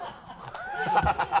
ハハハ